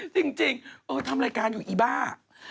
จริงทำรายการอยู่อีบ้า